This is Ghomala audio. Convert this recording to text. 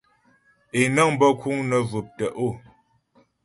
Ě nəŋ bə kùŋ nə jwɔ̀p tə’o.